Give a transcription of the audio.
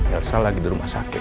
elsa lagi di rumah sakit